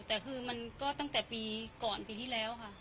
แต่คือมันก็ตั้งแต่ปีก่อนปีที่แล้วค่ะ